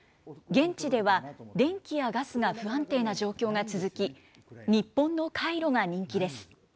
現地では電気やガスが不安定な状況が続き、日本のカイロが人気です。